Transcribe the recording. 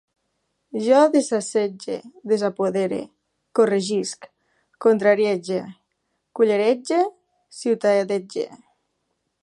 Jo desassetge, desapodere, corregisc, contrariege, cullerege, ciutadege